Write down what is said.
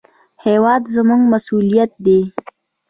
هېواد زموږ مسوولیت دی